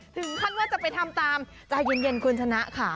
ถึงขั้นว่าจะไปทำตามใจเย็นคุณชนะค่ะ